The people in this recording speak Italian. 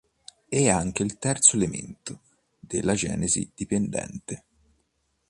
È anche il terzo elemento della genesi dipendente.